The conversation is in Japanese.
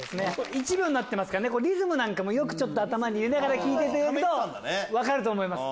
１秒になってますからリズムなんかも頭に入れながら聞いていただくと分かると思います。